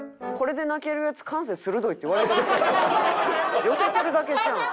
これで寄せてるだけちゃうん？